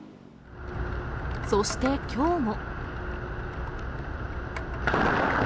そしてきょうも。